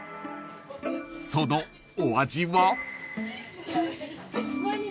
［そのお味は？］